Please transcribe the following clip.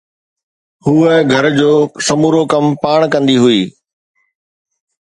هوءَ گهر جو سمورو ڪم پاڻ ڪندي هئي